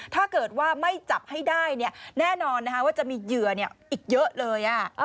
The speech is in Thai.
ถ้าเกิดว่าไม่จับให้ได้เนี่ยแน่นอนนะคะว่าจะมีเหยื่อเนี่ยอีกเยอะเลยอะ